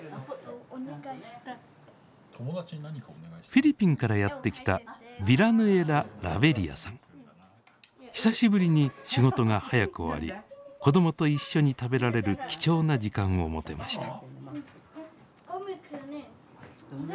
フィリピンからやって来た久しぶりに仕事が早く終わり子どもと一緒に食べられる貴重な時間を持てました。